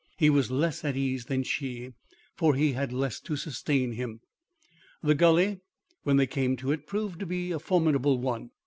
He was less at ease than she; for he had less to sustain him. The gully, when they came to it, proved to be a formidable one.